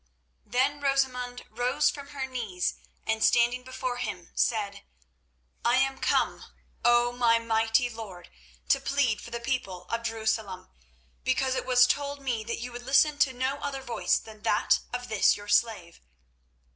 Then Rosamund rose from her knees, and, standing before him, said: "I am come, O my mighty lord, to plead for the people of Jerusalem, because it was told me that you would listen to no other voice than that of this your slave.